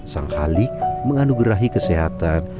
sanghali menganugerahi kesehatan